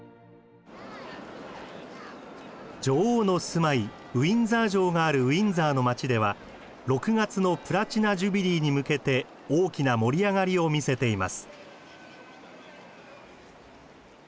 女王の住まいウィンザー城があるウィンザーの街では６月のプラチナ・ジュビリーに向けて大きな盛り上がりを見せています。